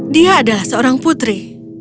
dia adalah seorang putri